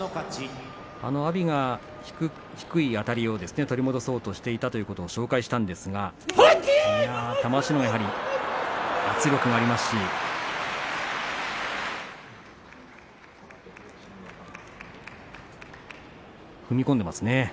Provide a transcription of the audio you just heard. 阿炎が低いあたりを取り戻そうとしていたということを紹介しましたが玉鷲のほうが圧力がありますし踏み込んでいますね。